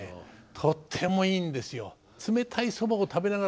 とってもいいんですよ。